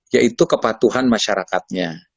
yaitu kepatuhan masyarakatnya